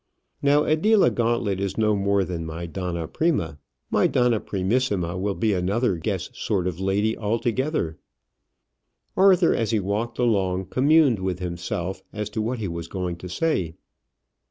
Now Adela Guantlet is no more than my donna prima. My donna primissima will be another guess sort of lady altogether. Arthur, as he walked along, communed with himself as to what he was going to say.